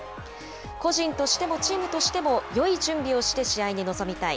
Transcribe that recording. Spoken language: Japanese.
個人としてもチームとしても、よい準備をして試合に臨みたい。